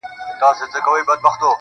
د کندهار ماځيگره، ستا خبر نه راځي,